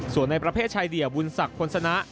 ส่วนในประเภทชายเดี่ยวบุญศักดิ์พลสนะ